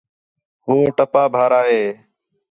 ہُو ٹَپا بھارا ہے